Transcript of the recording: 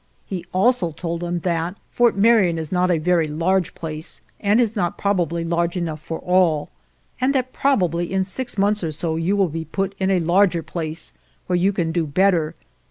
He also told them 1 that Fort Marion is not a very large place, and is not probably large enough for all, and that probably in six months or so you will be put in a larger place, where you can do better.'